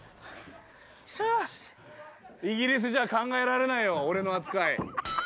イギリスじゃ考えられないよ、俺の扱い。